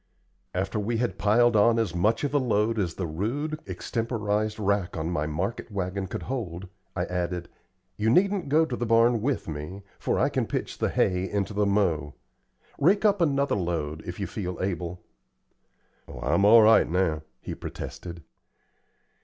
After we had piled on as much of a load as the rude, extemporized rack on my market wagon could hold, I added, "You needn't go to the barn with me, for I can pitch the hay into the mow. Rake up another load, if you feel able." "Oh, I'm all right now," he protested.